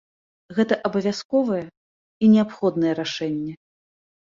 Гэта абавязковае і неабходнае рашэнне.